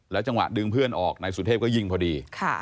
จังหวะดึงเพื่อนออกนายสุเทพก็ยิงพอดี